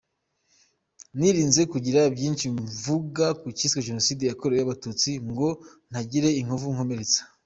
Nirinze kugira byinshi mvuga ku cyiswe Jenoside yakorewe abatutsi ngo ntagira inkovu nkomeretsa!